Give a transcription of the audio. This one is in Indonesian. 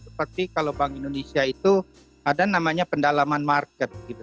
seperti kalau bank indonesia itu ada namanya pendalaman market